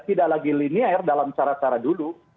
tidak lagi linier dalam cara cara dulu